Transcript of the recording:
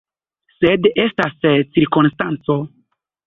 Sed estas cirkonstanco.